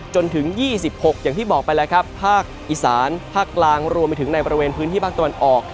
จนถึง๒๖อย่างที่บอกไปแล้วครับภาคอีสานภาคกลางรวมไปถึงในบริเวณพื้นที่ภาคตะวันออก